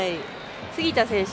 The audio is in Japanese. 杉田選手